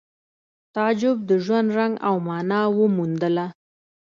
تعجب د ژوند رنګ او مانا وموندله